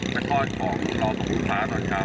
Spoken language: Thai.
ไปเทาะคลองรอสมุทรพาตอนเช้า